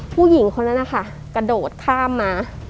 ผู้หญิงคนนั้นนะคะกระโดดข้ามมา